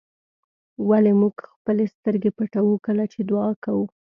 ولې موږ خپلې سترګې پټوو کله چې دعا کوو.